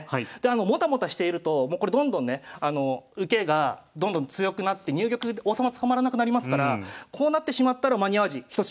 もたもたしているともうこれどんどんね受けがどんどん強くなって入玉王様捕まらなくなりますからこうなってしまったら「間に合わじ仁茂」